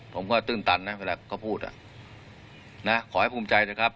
ผมก็ตื้นตันเวลาก็พูดนะขอให้ภูมิใจนะครับ